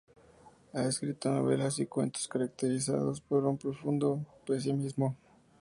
Ha escrito novelas y cuentos caracterizados por un profundo pesimismo.